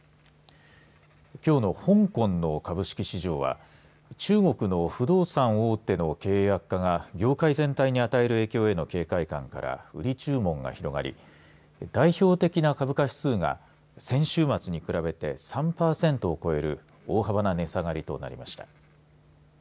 きょうの香港の株式市場は中国の不動産大手の経営悪化が業界全体の与える影響への警戒感から売り注文が広がり代表的な株価指数が先週末に比べて３パーセントを超える大幅な値下がりとなりました。